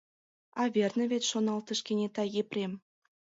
«А верне вет, — шоналтыш кенета Епрем.